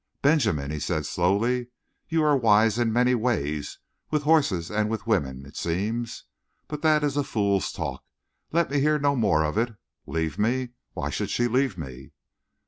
"Benjamin," he said slowly, "you are wise in many ways, with horses and with women, it seems. But that is a fool's talk. Let me hear no more of it. Leave me? Why should she leave me?"